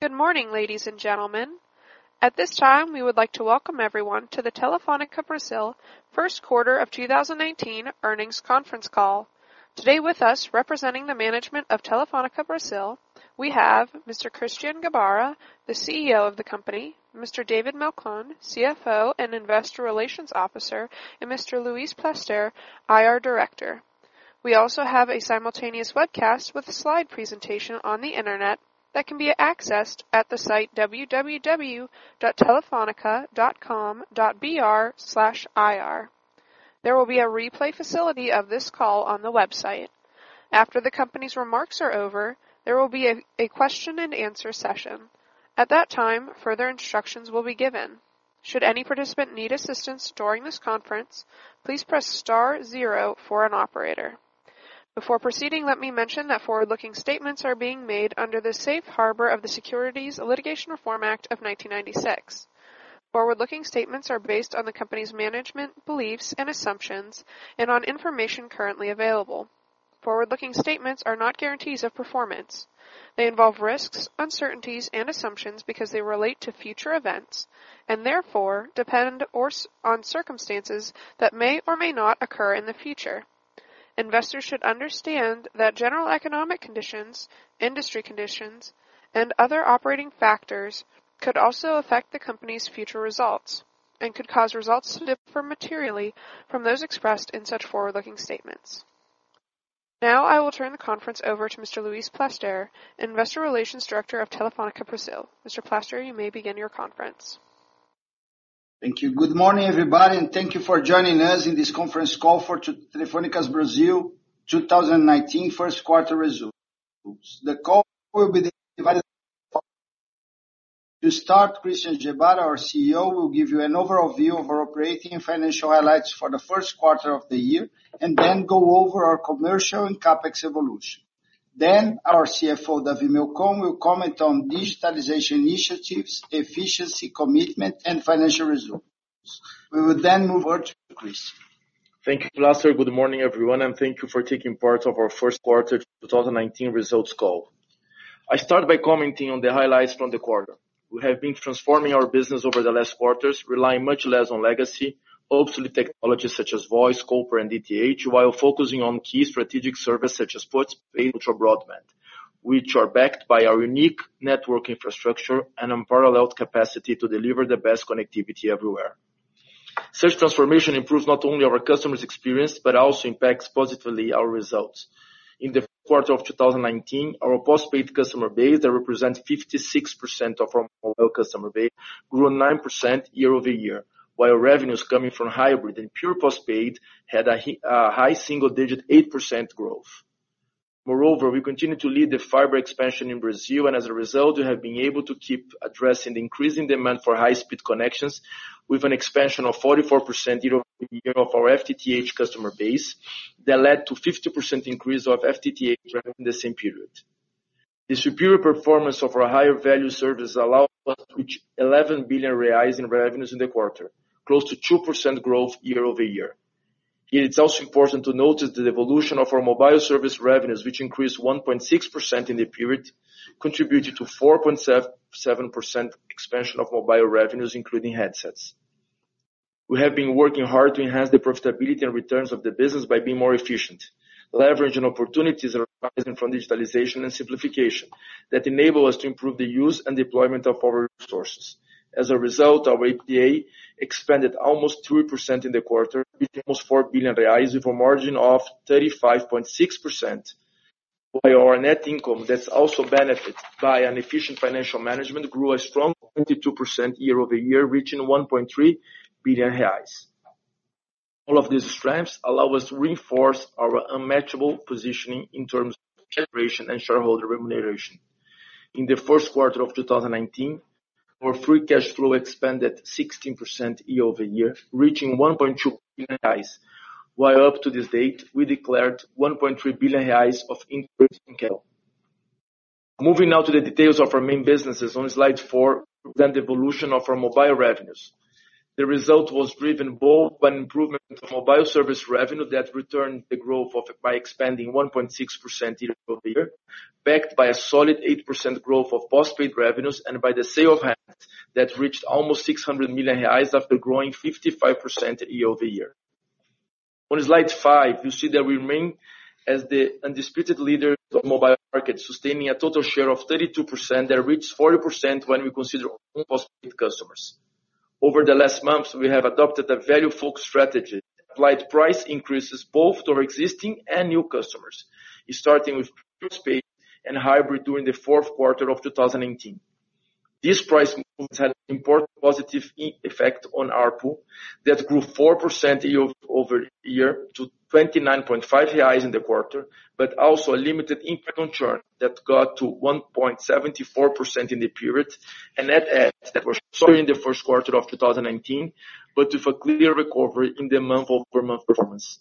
Good morning, ladies and gentlemen. At this time, we would like to welcome everyone to the Telefônica Brasil first quarter of 2019 earnings conference call. Today with us, representing the management of Telefônica Brasil, we have Mr. Christian Gebara, the CEO of the company, Mr. David Melcon, CFO and Investor Relations Officer, and Mr. Luiz Plaster, IR Director. We also have a simultaneous webcast with a slide presentation on the internet that can be accessed at the site ri.telefonica.com.br. There will be a replay facility of this call on the website. After the company's remarks are over, there will be a question and answer session. At that time, further instructions will be given. Should any participant need assistance during this conference, please press star zero for an operator. Before proceeding, let me mention that forward-looking statements are being made under the safe harbor of the Private Securities Litigation Reform Act of 1995. Forward-looking statements are based on the company's management, beliefs, and assumptions, and on information currently available. Forward-looking statements are not guarantees of performance. They involve risks, uncertainties, and assumptions because they relate to future events, and therefore depend on circumstances that may or may not occur in the future. Investors should understand that general economic conditions, industry conditions, and other operating factors could also affect the company's future results and could cause results to differ materially from those expressed in such forward-looking statements. Now I will turn the conference over to Mr. Luiz Plaster, Investor Relations Director of Telefônica Brasil. Mr. Plaster, you may begin your conference. Thank you. Good morning, everybody, and thank you for joining us in this conference call for Telefônica Brasil's 2019 first quarter results. The call will be divided into four parts. To start, Christian Gebara, our CEO, will give you an overview of our operating and financial highlights for the first quarter of the year, and then go over our commercial and CapEx evolution. Our CFO, David Melcon, will comment on digitalization initiatives, efficiency commitment, and financial results. We will move over to Chris. Thank you, Plaster. Good morning, everyone, and thank you for taking part of our first quarter 2019 results call. I start by commenting on the highlights from the quarter. We have been transforming our business over the last quarters, relying much less on legacy, obsolete technologies such as voice, copper, and DTH, while focusing on key strategic services such as postpaid and ultra-broadband, which are backed by our unique network infrastructure and unparalleled capacity to deliver the best connectivity everywhere. Such transformation improves not only our customers' experience, but also impacts positively our results. In the first quarter of 2019, our postpaid customer base that represents 56% of our mobile customer base grew 9% year-over-year, while revenues coming from hybrid and pure postpaid had a high single-digit 8% growth. Moreover, we continued to lead the fiber expansion in Brazil. As a result, we have been able to keep addressing the increasing demand for high-speed connections with an expansion of 44% year-over-year of our FTTH customer base that led to 50% increase of FTTH revenue in the same period. The superior performance of our higher value service allowed us to reach 11 billion reais in revenues in the quarter, close to 2% growth year-over-year. Here, it's also important to notice the evolution of our mobile service revenues, which increased 1.6% in the period, contributed to 4.7% expansion of mobile revenues, including handsets. We have been working hard to enhance the profitability and returns of the business by being more efficient, leveraging opportunities arising from digitalization and simplification that enable us to improve the use and deployment of our resources. As a result, our EBITDA expanded almost 3% in the quarter with almost 4 billion reais with a margin of 35.6%, while our net income that's also benefited by an efficient financial management grew a strong 22% year-over-year, reaching 1.3 billion reais. All of these strengths allow us to reinforce our unmatchable positioning in terms of cash generation and shareholder remuneration. In the first quarter of 2019, our free cash flow expanded 16% year-over-year, reaching 1.2 billion reais, while up to this date, we declared 1.3 billion reais of increased in cash. Moving now to the details of our main businesses on slide four, then the evolution of our mobile revenues. The result was driven both by improvement of mobile service revenue that returned the growth by expanding 1.6% year-over-year, backed by a solid 8% growth of postpaid revenues and by the sale of handsets that reached almost 600 million reais after growing 55% year-over-year. On slide five, you see that we remain as the undisputed leader of mobile markets, sustaining a total share of 32% that reached 40% when we consider all postpaid customers. Over the last months, we have adopted a value-focused strategy that applied price increases both to our existing and new customers, starting with postpaid and hybrid during the fourth quarter of 2018. These price moves had important positive effect on ARPU that grew 4% year-over-year to 29.5 reais in the quarter, but also a limited impact on churn that got to 1.74% in the period, and net adds that were slower in the first quarter of 2019, but with a clear recovery in the month-over-month performance.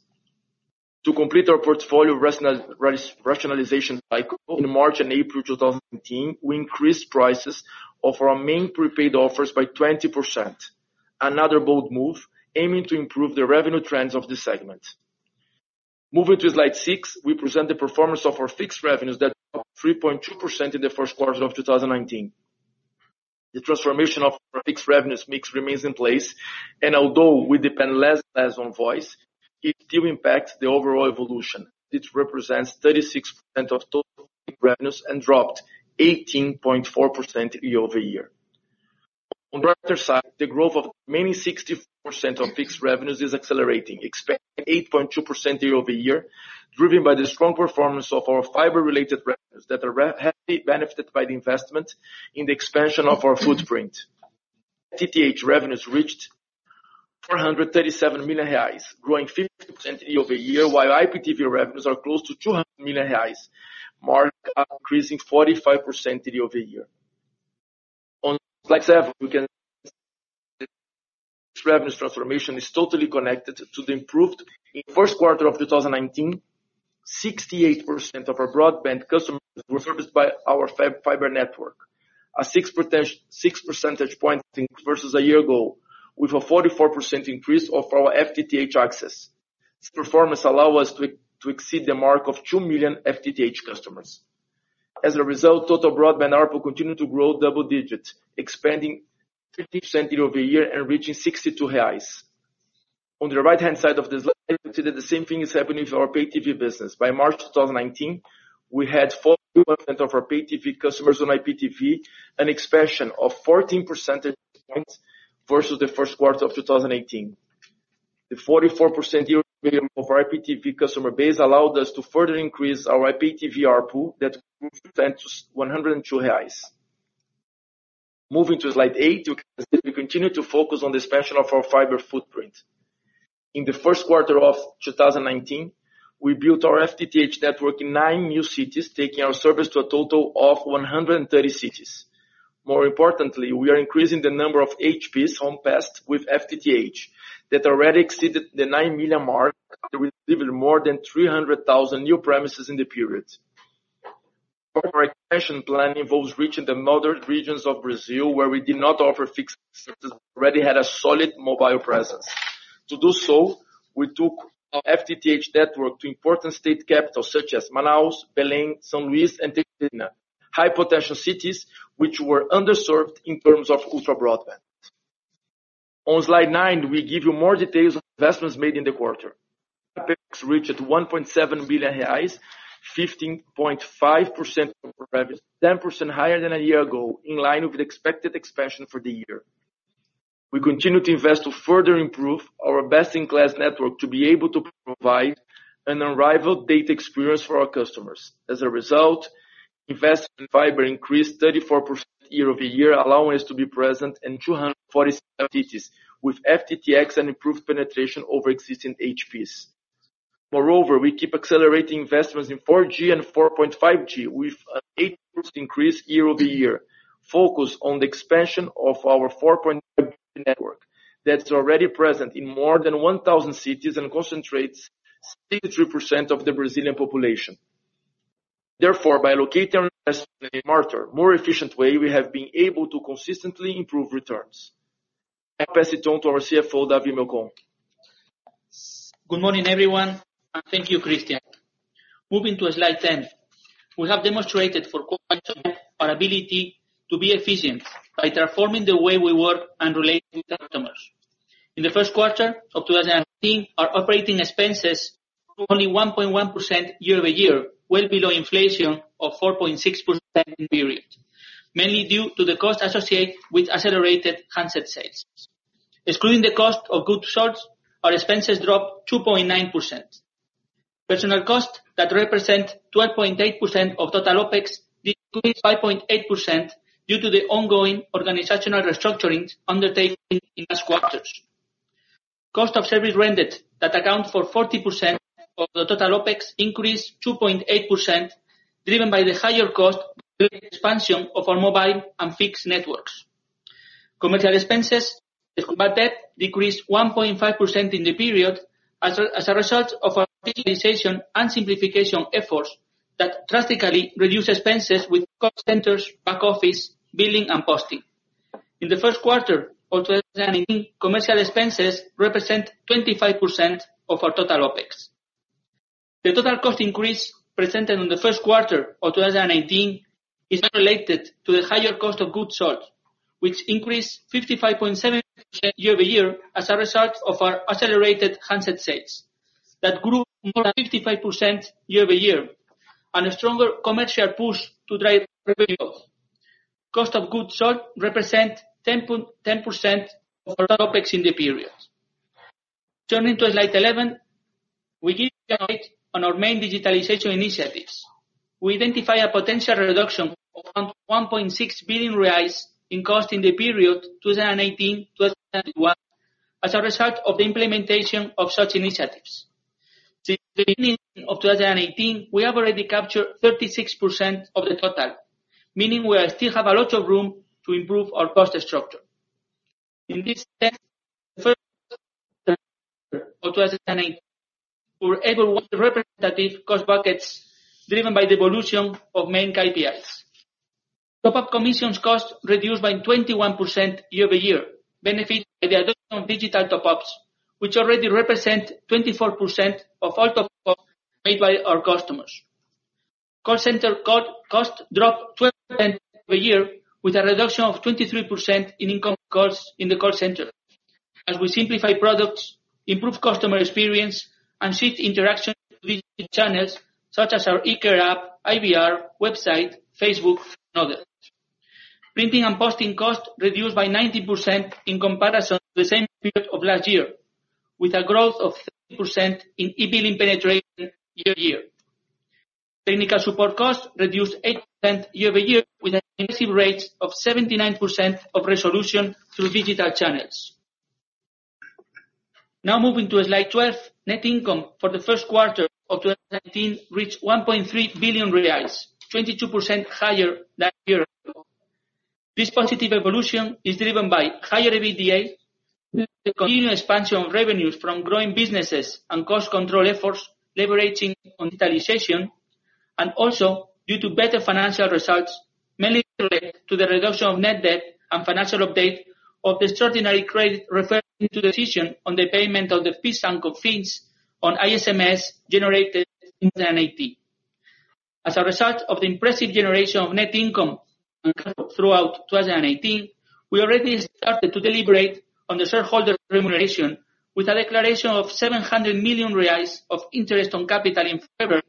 To complete our portfolio rationalization cycle in March and April 2019, we increased prices of our main prepaid offers by 20%. Another bold move aiming to improve the revenue trends of this segment. Moving to slide six, we present the performance of our fixed revenues that dropped 3.2% in the first quarter of 2019. The transformation of our fixed revenues mix remains in place, and although we depend less and less on voice, it still impacts the overall evolution. It represents 36% of total fixed revenues and dropped 18.4% year-over-year. On the brighter side, the growth of remaining 64% of fixed revenues is accelerating, expanding 8.2% year-over-year, driven by the strong performance of our fiber-related revenues that are heavily benefited by the investment in the expansion of our footprint. FTTH revenues reached 437 million reais, growing 15% year-over-year, while IPTV revenues are close to 200 million reais mark, increasing 45% year-over-year. On slide seven, we can see the fixed revenues transformation is totally connected to the improved. In the first quarter of 2019, 68% of our broadband customers were serviced by our fiber network, a six percentage point increase versus a year ago, with a 44% increase of our FTTH access. This performance allow us to exceed the mark of 2 million FTTH customers. As a result, total broadband ARPU continue to grow double digits, expanding 15% year-over-year and reaching 62 reais. On the right-hand side of the slide, we see that the same thing is happening with our pay TV business. By March 2019, we had 41% of our pay TV customers on IPTV, an expansion of 14 percentage points versus the first quarter of 2018. The 44% year-over-year growth of our IPTV customer base allowed us to further increase our IPTV ARPU that grew 10% to 102 reais. Moving to slide eight, you can see we continue to focus on the expansion of our fiber footprint. In the first quarter of 2019, we built our FTTH network in nine new cities, taking our service to a total of 130 cities. More importantly, we are increasing the number of HPs, homes passed, with FTTH that already exceeded the 9 million mark delivered in more than 300,000 new premises in the period. Our expansion plan involves reaching the northern regions of Brazil where we did not offer fixed services but already had a solid mobile presence. To do so, we took our FTTH network to important state capitals such as Manaus, Belém, São Luís, and Teresina. High potential cities, which were underserved in terms of ultra broadband. On slide nine, we give you more details on investments made in the quarter. CapEx reached 1.7 billion reais, 15.5% of our revenues, 10% higher than a year ago, in line with expected expansion for the year. We continue to invest to further improve our best-in-class network to be able to provide an unrivaled data experience for our customers. As a result, investment in fiber increased 34% year-over-year, allowing us to be present in 247 cities with FTTx and improved penetration over existing HPs. Moreover, we keep accelerating investments in 4G and 4.5G with an 8% increase year-over-year, focused on the expansion of our 4.5G network that's already present in more than 1,000 cities and concentrates 63% of the Brazilian population. Therefore, by allocating our investment in a smarter, more efficient way, we have been able to consistently improve returns. I pass it on to our CFO, David Melcon. Good morning, everyone, and thank you, Christian. Moving to slide 10. We have demonstrated for quite some time our ability to be efficient by transforming the way we work and relate with our customers. In the first quarter of 2019, our operating expenses grew only 1.1% year-over-year, well below inflation of 4.6% in the period, mainly due to the cost associated with accelerated handset sales. Excluding the cost of goods sold, our expenses dropped 2.9%. Personnel costs that represent 12.8% of total OpEx decreased 5.8% due to the ongoing organizational restructuring undertaking in past quarters. Cost of service rendered that account for 40% of the total OpEx increased 2.8%, driven by the higher cost due to the expansion of our mobile and fixed networks. Commercial expenses decreased 1.5% in the period as a result of our digitalization and simplification efforts that drastically reduce expenses with call centers, back office, billing, and posting. In the first quarter of 2019, commercial expenses represent 25% of our total OpEx. The total cost increase presented in the first quarter of 2019 is unrelated to the higher cost of goods sold, which increased 55.7% year-over-year as a result of our accelerated handset sales that grew more than 55% year-over-year, and a stronger commercial push to drive revenue growth. Cost of goods sold represent 10% of our total OpEx in the period. Turning to slide 11. We give you an update on our main digitalization initiatives. We identify a potential reduction of 1.6 billion reais in cost in the period 2018 to 2021 as a result of the implementation of such initiatives. Since the beginning of 2018, we have already captured 36% of the total, meaning we still have a lot of room to improve our cost structure. In this sense, in the first quarter of 2019, we were able to watch the representative cost buckets driven by the evolution of main KPIs. Top-up commissions cost reduced by 21% year-over-year, benefit by the adoption of digital top-ups, which already represent 24% of all top-ups made by our customers. Call center cost dropped 20% per year with a reduction of 23% in income calls in the call center. As we simplify products, improve customer experience, and shift interaction with channels such as our eCare app, IVR, website, Facebook, and others. Printing and posting cost reduced by 90% in comparison to the same period of last year, with a growth of 30% in e-billing penetration year-over-year. Technical support costs reduced 80% year-over-year with an impressive rate of 79% of resolution through digital channels. Now moving to slide 12. Net income for the first quarter of 2019 reached 1.3 billion reais, 22% higher than year ago. This positive evolution is driven by higher EBITDA, the continued expansion of revenues from growing businesses and cost control efforts leveraging on digitization, and also due to better financial results, mainly related to the reduction of net debt and financial update of extraordinary credit referring to decision on the payment of the PIS/COFINS on ICMS generated in 2018. As a result of the impressive generation of net income throughout 2018, we already started to deliberate on the shareholder remuneration with a declaration of 700 million reais of interest on capital in February,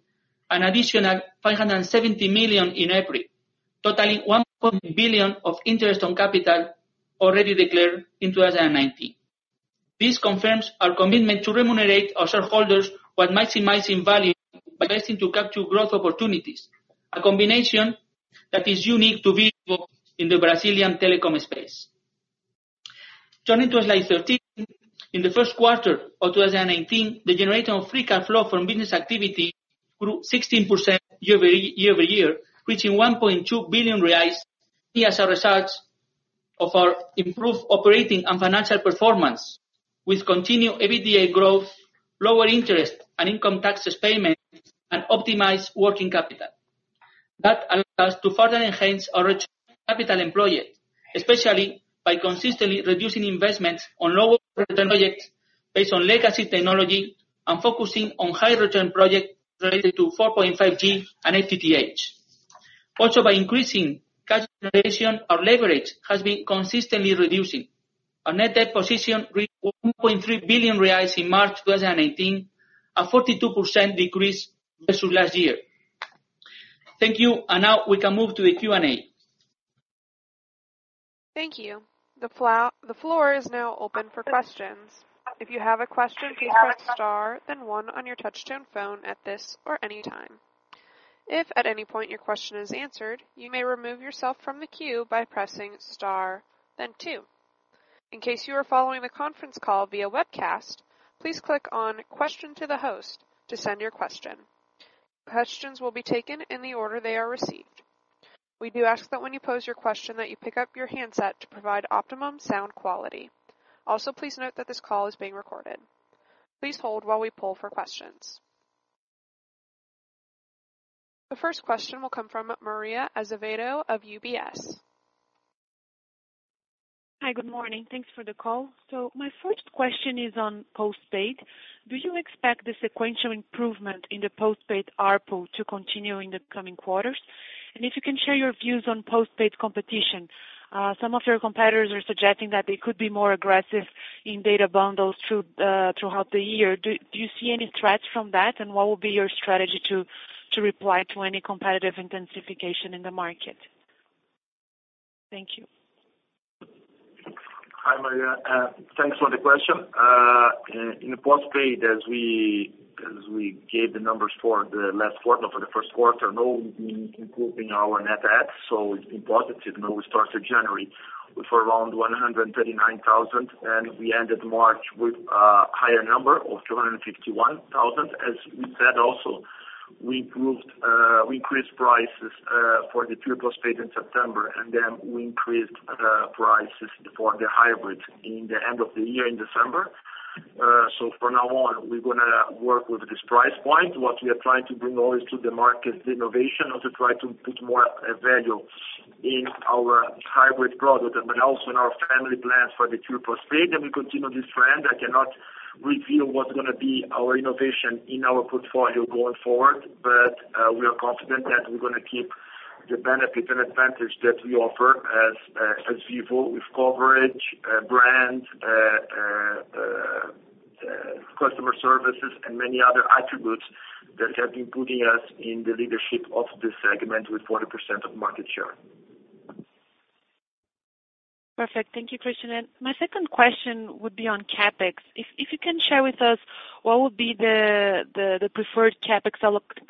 an additional 570 million in April, totaling 1.1 billion of interest on capital already declared in 2019. This confirms our commitment to remunerate our shareholders while maximizing value by investing to capture growth opportunities. A combination that is unique to Vivo in the Brazilian telecom space. Turning to slide 13. In the first quarter of 2019, the generation of free cash flow from business activity grew 16% year-over-year, reaching 1.2 billion reais as a result of our improved operating and financial performance. With continued EBITDA growth, lower interest and income taxes payments, and optimized working capital. That allows us to further enhance our return on capital employed, especially by consistently reducing investments on lower return projects based on legacy technology and focusing on high return projects related to 4.5G and FTTH. By increasing cash generation, our leverage has been consistently reducing. Our net debt position reached 1.3 billion reais in March 2018, a 42% decrease versus last year. Thank you. Now we can move to the Q&A. Thank you. The floor is now open for questions. If you have a question, key press star then one on your touchtone phone at this or any time. If at any point your question is answered, you may remove yourself from the queue by pressing star then 2. In case you are following the conference call via webcast, please click on question to the host to send your question. Questions will be taken in the order they are received. We do ask that when you pose your question, that you pick up your handset to provide optimum sound quality. Also, please note that this call is being recorded. Please hold while we poll for questions. The first question will come from Maria Azevedo of UBS. Hi. Good morning. Thanks for the call. My first question is on postpaid. Do you expect the sequential improvement in the postpaid ARPU to continue in the coming quarters? If you can share your views on postpaid competition. Some of your competitors are suggesting that they could be more aggressive in data bundles throughout the year. Do you see any threats from that? What would be your strategy to reply to any competitive intensification in the market? Thank you. Hi, Maria. Thanks for the question. In the postpaid, as we gave the numbers for the last quarter, for the first quarter, we've been improving our net adds. It's been positive. We started January with around 139,000, and we ended March with a higher number of 251,000. As we said also, we increased prices for the pure postpaid in September, and then we increased prices for the hybrids in the end of the year in December. For now on, we're going to work with this price point. What we are trying to bring always to the market is innovation, and to try to put more value in our hybrid product, but also in our family plans for the pure postpaid. We continue this trend. I cannot reveal what's going to be our innovation in our portfolio going forward, but we are confident that we're going to keep the benefit and advantage that we offer as Vivo with coverage, brand, customer services, and many other attributes that have been putting us in the leadership of this segment with 40% of market share. Perfect. Thank you, Christian. My second question would be on CapEx. If you can share with us what would be the preferred CapEx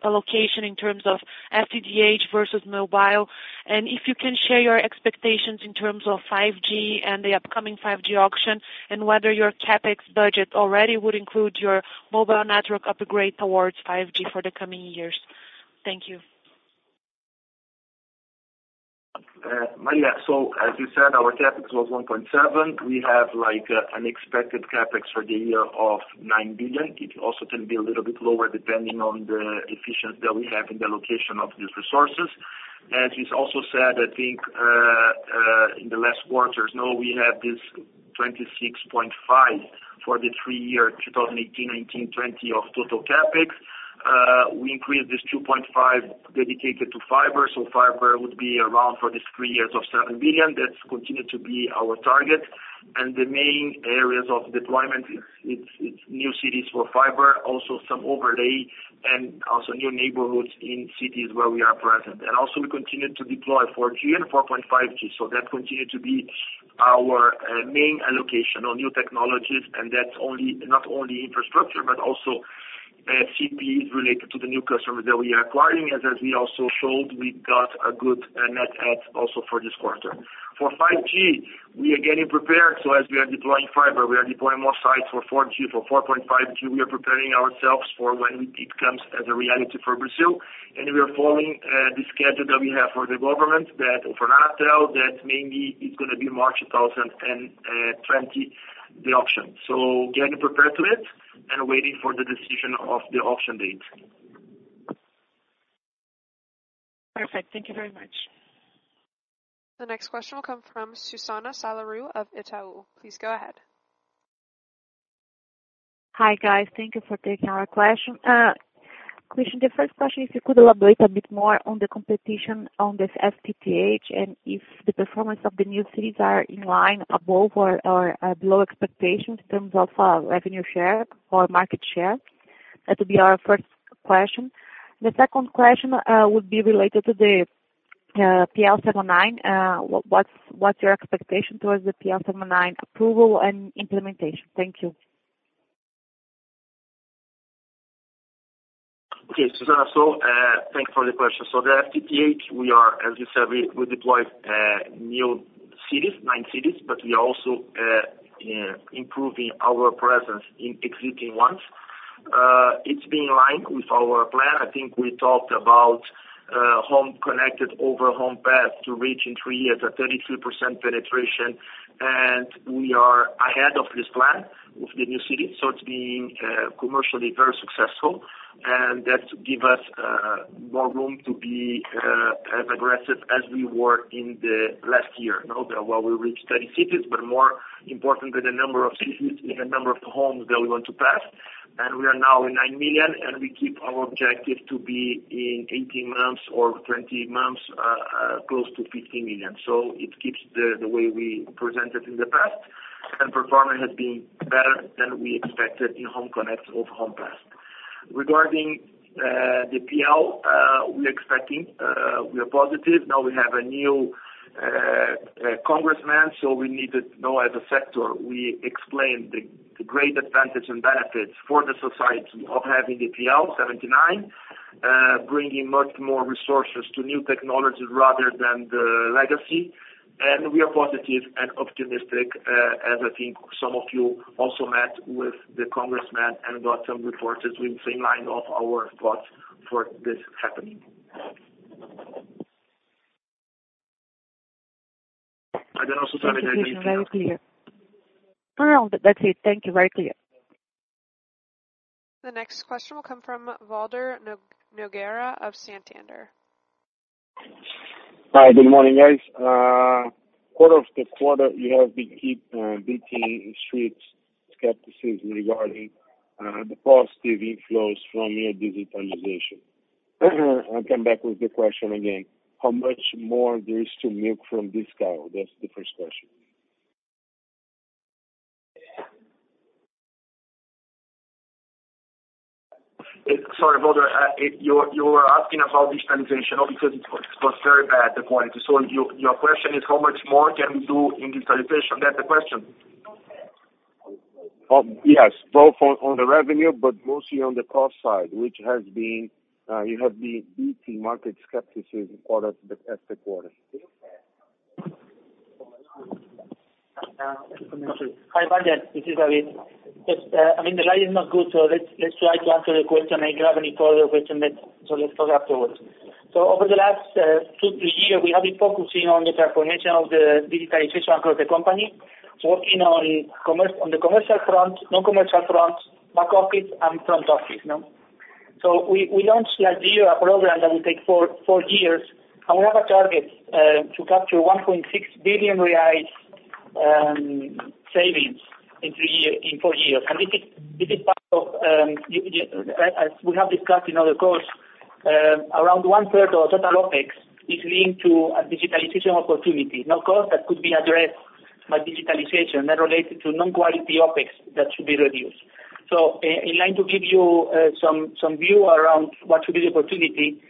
allocation in terms of FTTH versus mobile, and if you can share your expectations in terms of 5G and the upcoming 5G auction, and whether your CapEx budget already would include your mobile network upgrade towards 5G for the coming years. Thank you. Maria, as you said, our CapEx was 1.7. We have an expected CapEx for the year of 9 billion. It also can be a little bit lower depending on the efficiency that we have in the allocation of these resources As is also said, I think, in the last quarters, now we have this 26.5 for the three-year 2018, 2019, 2020 of total CapEx. We increased this 2.5 dedicated to fiber, so fiber would be around for this three years of 7 billion. That continues to be our target. The main areas of deployment are new cities for fiber, also some overlay and also new neighborhoods in cities where we are present. Also, we continue to deploy 4G and 4.5G, so that continues to be our main allocation on new technologies, and that's not only infrastructure, but also CPEs related to the new customers that we are acquiring. As we also showed, we got a good net add also for this quarter. For 5G, we are getting prepared. As we are deploying fiber, we are deploying more sites for 4G, for 4.5G. We are preparing ourselves for when it comes as a reality for Brazil, and we are following the schedule that we have for the government that, for Anatel, that mainly is going to be March 2020, the auction. Getting prepared to it and waiting for the decision of the auction date. Perfect. Thank you very much. The next question will come from Susana Salaru of Itaú. Please go ahead. Hi, guys. Thank you for taking our question. Christian, the first question, if you could elaborate a bit more on the competition on this FTTH and if the performance of the new cities are in line above or below expectations in terms of revenue share or market share. That will be our first question. The second question would be related to the PL 79. What is your expectation towards the PL 79 approval and implementation? Thank you. Okay, Susana. Thanks for the question. The FTTH, as you said, we deployed new cities, 9 cities, but we also improving our presence in existing ones. It has been in line with our plan. I think we talked about home connected over home passed to reach in 3 years a 33% penetration, and we are ahead of this plan with the new cities. It is being commercially very successful, and that give us more room to be as aggressive as we were in the last year. While we reached 30 cities, more importantly, the number of cities is the number of homes that we want to pass. We are now in 9 million, and we keep our objective to be in 18 months or 20 months, close to 15 million. It keeps the way we presented in the past, and performance has been better than we expected in home connect over home passed. Regarding the PL, we are positive. We have a new congressman, we need to know as a sector, we explained the great advantage and benefits for the society of having the PL 79, bringing much more resources to new technology rather than the legacy. We are positive and optimistic, as I think some of you also met with the congressman and got some reports as we have seen line of our thoughts for this happening. Thank you, Christian. Very clear. No, that is it. Thank you. Very clear. The next question will come from Valder Nogueira of Santander. Hi. Good morning, guys. Quarter-over-quarter, you have been beating Street's skepticism regarding the positive inflows from your digitalization. I'll come back with the question again. How much more there is to milk from this cow? That's the first question. Sorry, Valder. You were asking about digitalization? Because it was very bad, the quality. Your question is how much more can we do in digitalization? That's the question? Yes, both on the revenue, mostly on the cost side, which you have been beating market skepticism quarter-after-quarter. Now, back to you. Hi, Valder. This is David. I mean, the line is not good. Let's try to answer the question, and if you have any follow-up question then, let's talk afterwards. Over the last two, three year, we have been focusing on the transformation of the digitalization across the company, working on the commercial front, non-commercial front, back office, and front office. We launched last year a program that will take four years, and we have a target to capture 1.6 billion real savings in four years. This is part of, as we have discussed in other calls, around one-third of total OpEx is linked to a digitalization opportunity. Costs that could be addressed by digitalization, that related to non-quality OpEx that should be reduced. In line to give you some view around what should be the opportunity,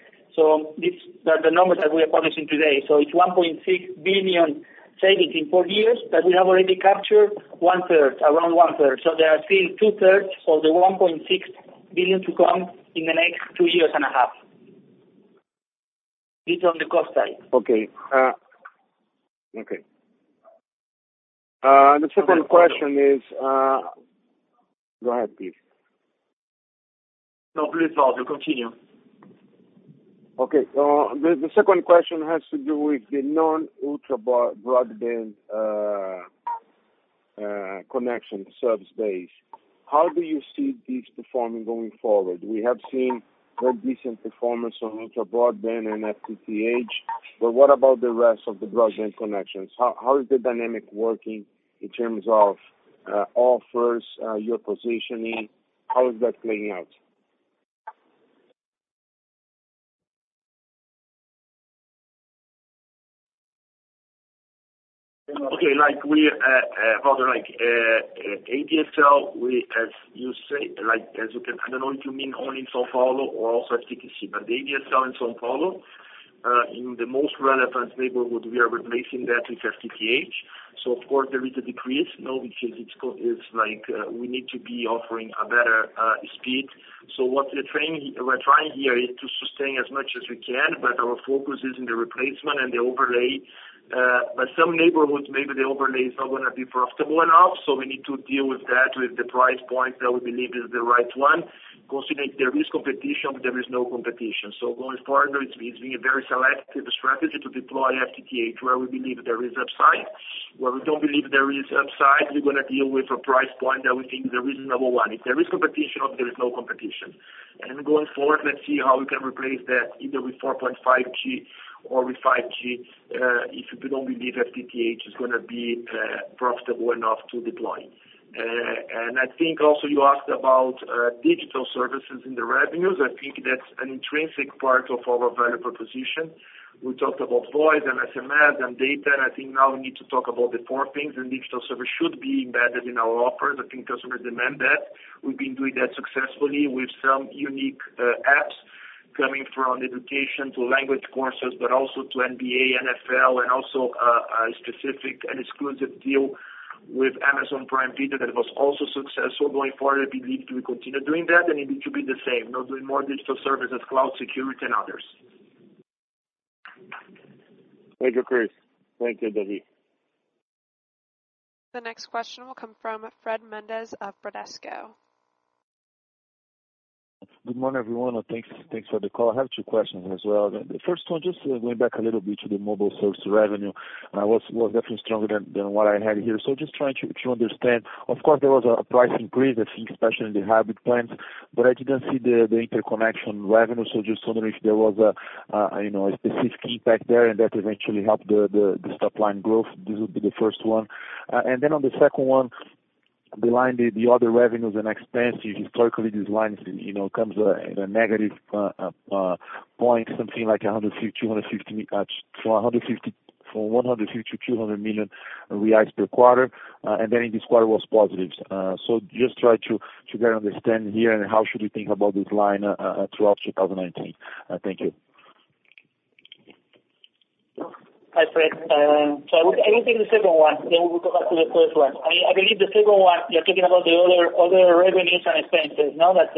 these are the numbers that we are publishing today. It's 1.6 billion savings in four years, but we have already captured around one-third. There are still two-thirds of the 1.6 billion to come in the next two years and a half. It's on the cost side. Okay. The second question is. Go ahead, please. No, please, Valder. Continue. Okay. The second question has to do with the non-ultra broadband Connection service base. How do you see these performing going forward? We have seen more decent performance on ultra broadband and FTTH. What about the rest of the broadband connections? How is the dynamic working in terms of offers, your positioning? How is that playing out? Okay. ADSL, I don't know if you mean only in São Paulo or also FTTC. The ADSL in São Paulo, in the most relevant neighborhood, we are replacing that with FTTH. Of course there is a decrease now because we need to be offering a better speed. What we're trying here is to sustain as much as we can, but our focus is in the replacement and the overlay. Some neighborhoods, maybe the overlay is not going to be profitable enough, so we need to deal with that, with the price point that we believe is the right one, considering there is competition, but there is no competition. Going forward, it's been a very selective strategy to deploy FTTH where we believe there is upside. Where we don't believe there is upside, we're going to deal with a price point that we think is a reasonable one. If there is competition, or if there is no competition. Going forward, let's see how we can replace that either with 4.5G or with 5G, if we don't believe FTTH is going to be profitable enough to deploy. I think also you asked about digital services in the revenues. I think that's an intrinsic part of our value proposition. We talked about voice and SMS and data, and I think now we need to talk about the four things, and digital service should be embedded in our offers. I think customers demand that. We've been doing that successfully with some unique apps coming from education to language courses, also to NBA, NFL, and also a specific and exclusive deal with Amazon Prime Video that was also successful. Going forward, I believe we continue doing that, it will be the same. Now doing more digital services, cloud security, and others. Thank you, Christian. Thank you, David. The next question will come from Fred Mendes of Bradesco. Good morning, everyone, and thanks for the call. I have two questions as well. The first one, just going back a little bit to the mobile service revenue, and was definitely stronger than what I had here. Just trying to understand. Of course, there was a price increase, I think especially in the hybrid plans, but I didn't see the interconnection revenue. Just wondering if there was a specific impact there and that eventually helped the top line growth. This would be the first one. On the second one, the line, the other revenues and expense, historically these lines comes at a negative point, something like from 150 to 200 million reais per quarter, and in this quarter was positive. Just try to get an understanding here and how should we think about this line, throughout 2019. Thank you. Hi, Fred. I will take the second one, then we'll go back to the first one. I believe the second one, you're talking about the other revenues and expenses now that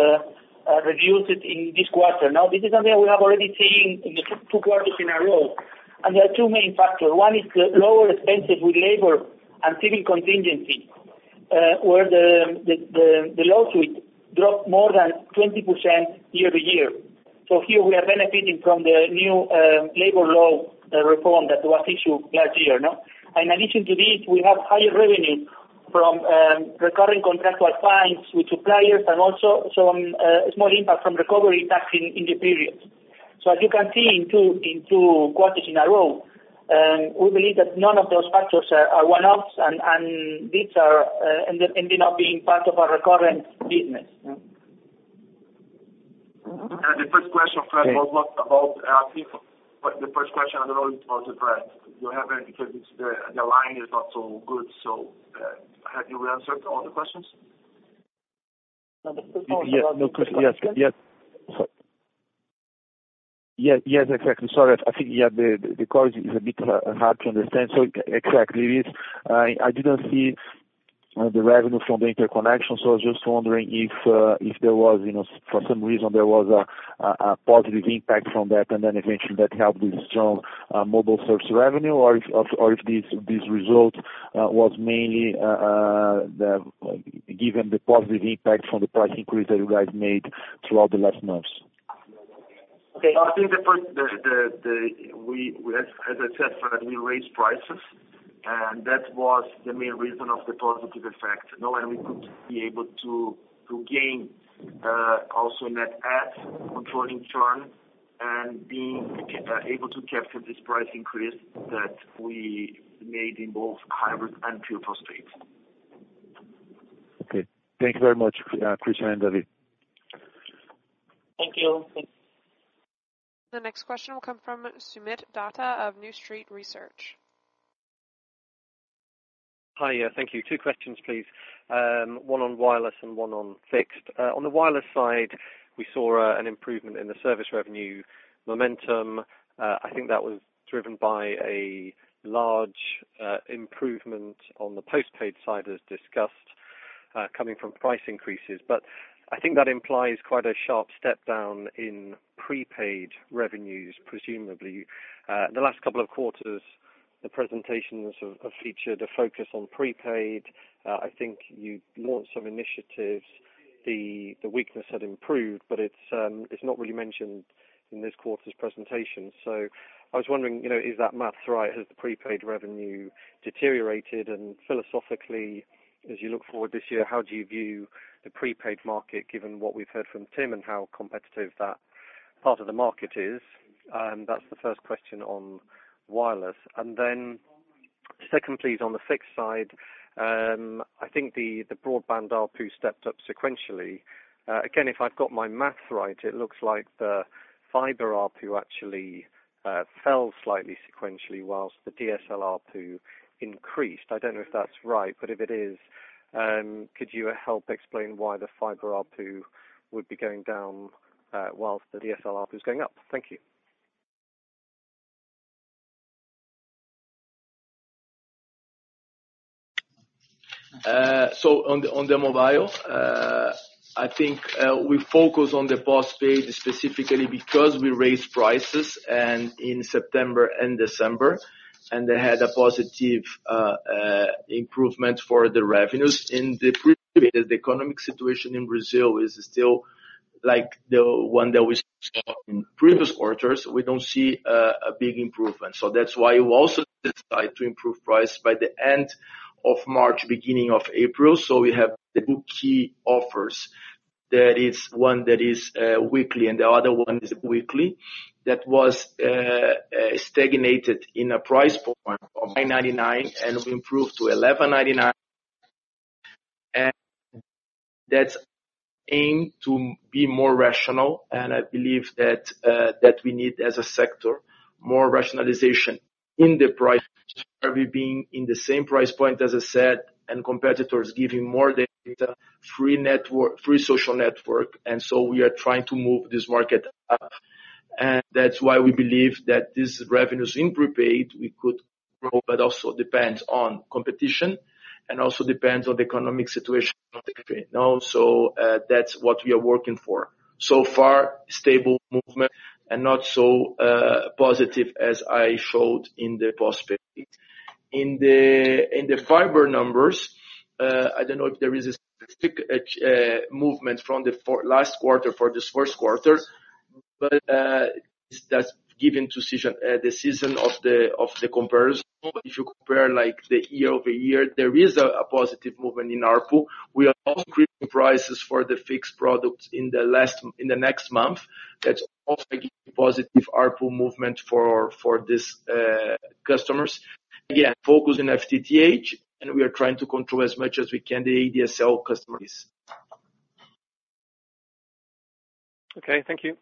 reduced it in this quarter. This is something we have already seen in the two quarters in a row. There are two main factors. One is lower expenses with labor and civil contingency, where the lawsuit dropped more than 20% year-to-year. Here we are benefiting from the new labor law reform that was issued last year. In addition to this, we have higher revenue from recurring contractual fines with suppliers and also some small impact from recovery tax in the period. As you can see in two quarters in a row, we believe that none of those factors are one-offs, and these end up being part of our recurring business. The first question, Fred, was what about people? The first question, I don't know, it was addressed. Do you have any? Because the line is not so good. Have you answered all the questions? Yes, exactly. Sorry. I think, the call is a bit hard to understand. Exactly, I didn't see the revenue from the interconnection. I was just wondering if for some reason there was a positive impact from that, and eventually that helped with strong mobile service revenue, or if this result was mainly given the positive impact from the price increase that you guys made throughout the last months. As I said, Fred, we raised prices. That was the main reason of the positive effect. Now, we could be able to gain also net adds, controlling churn, and being able to capture this price increase that we made in both hybrid and pure postpaid. Okay. Thank you very much, Christian and David. Thank you. The next question will come from Soomit Datta of New Street Research. Hi. Thank you. Two questions, please. One on wireless and one on fixed. On the wireless side, we saw an improvement in the service revenue momentum. I think that was driven by a large improvement on the postpaid side, as discussed, coming from price increases. I think that implies quite a sharp step down in prepaid revenues, presumably. The last couple of quarters, the presentations have featured a focus on prepaid. I think you launched some initiatives. The weakness had improved, but it's not really mentioned in this quarter's presentation. I was wondering, is that math right? Has the prepaid revenue deteriorated? Philosophically, as you look forward this year, how do you view the prepaid market, given what we've heard from TIM and how competitive that part of the market is? That's the first question on wireless. Second, please, on the fixed side, I think the broadband ARPU stepped up sequentially. Again, if I've got my math right, it looks like the fiber ARPU actually fell slightly sequentially whilst the DSL ARPU increased. I don't know if that's right, but if it is, could you help explain why the fiber ARPU would be going down, whilst the DSL ARPU is going up? Thank you. On the mobile, I think we focus on the postpaid specifically because we raised prices in September and December, and they had a positive improvement for the revenues. In the prepaid, the economic situation in Brazil is still like the one that we saw in previous quarters. We don't see a big improvement. That's why we also decide to improve price by the end of March, beginning of April. We have the two key offers. There is one that is weekly, and the other one is biweekly. That was stagnated in a price point of 9.99 and we improved to 11.99. That's aimed to be more rational, and I believe that we need, as a sector, more rationalization in the price. Are we being in the same price point, as I said, and competitors giving more data, free social network. We are trying to move this market up. That's why we believe that these revenues in prepaid, we could grow, but also depends on competition and also depends on the economic situation of the country now. That's what we are working for. So far, stable movement and not so positive as I showed in the postpaid. In the fiber numbers, I don't know if there is a specific movement from the last quarter for this first quarter. That's given to the season of the comparison. If you compare like the year-over-year, there is a positive movement in ARPU. We are also increasing prices for the fixed products in the next month. That's also giving positive ARPU movement for these customers. Focus in FTTH, and we are trying to control as much as we can the ADSL customers. Okay. Thank you.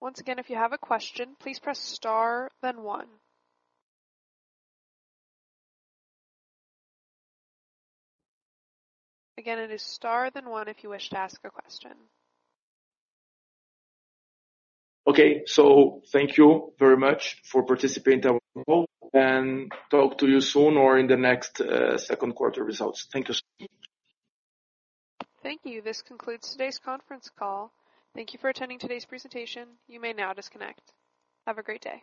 Once again, if you have a question, please press star then one. Again, it is star then one if you wish to ask a question. Okay. Thank you very much for participating in our call, and talk to you soon or in the next second quarter results. Thank you so much. Thank you. This concludes today's conference call. Thank you for attending today's presentation. You may now disconnect. Have a great day.